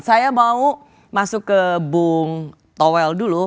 saya mau masuk ke bung towel dulu